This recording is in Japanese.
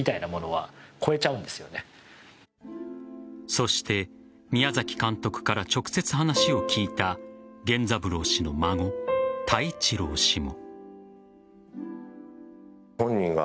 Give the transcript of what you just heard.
そして宮崎監督から直接話を聞いた源三郎氏の孫・太一郎氏も。